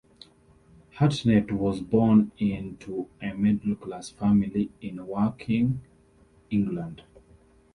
Hartnett was born into a middle-class family in Woking, England.